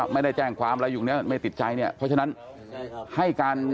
ไม่ได้แจ้งความละยุคนี้ล่ะไม่ติดใจนี้เพราะฉะนั้น